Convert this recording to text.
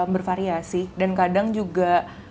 bervariasi dan kadang juga